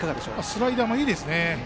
スライダーいいですね。